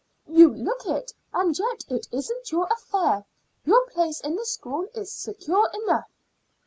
"You look it; and yet it isn't your affair. Your place in the school is secure enough."